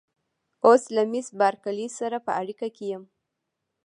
اوس له مېس بارکلي سره په اړیکه کې یم.